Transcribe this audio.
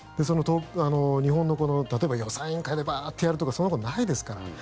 日本の例えば、予算委員会でバーッとやるとかそんなことないですから。